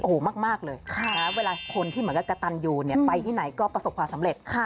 โอ้โหมากเลยเวลาคนที่เหมือนกับกระตันยูเนี่ยไปที่ไหนก็ประสบความสำเร็จ